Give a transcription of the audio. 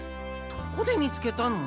どこで見つけたの？